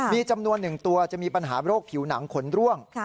มีจำนวน๑ตัวจะมีปัญหาโรคผิวหนังขนร่วง